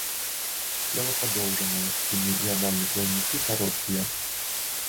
Цела падоўжанае, спінны і анальны плаўнікі кароткія.